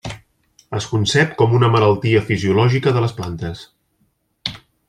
Es concep com una malaltia fisiològica de les plantes.